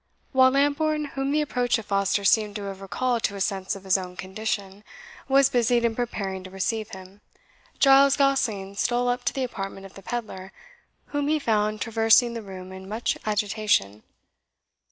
While Lambourne, whom the approach of Foster seemed to have recalled to a sense of his own condition, was busied in preparing to receive him, Giles Gosling stole up to the apartment of the pedlar, whom he found traversing the room in much agitation.